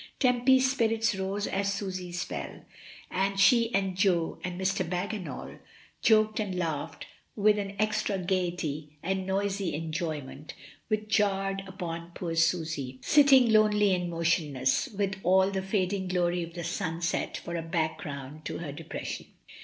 Tempy's spirits rose as Susy's fell, and she and Jo and Mr. Bagginal joked and laughed with an extra gaiety and noisy enjoyment which jarred upon A LA pfeCHE MIRACULEUSE. I07 poor Susy, sitting lonely and motionless, with all the fading glory of the sunset for a background to her depression.